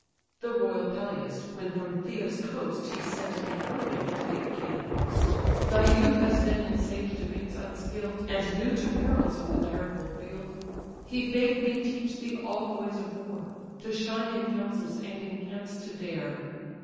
The royal Peleus, when from Pythia's coast He sent thee early to the Achaian host; Thy youth as then in sage debates unskill'd, And new to perils of the direful field: He bade me teach thee all the ways of war, To shine in councils, and in camps to dare.